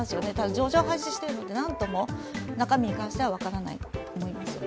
上場廃止してるのでなんとも、中身は分からないと思います。